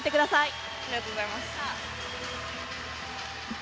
ありがとうございます。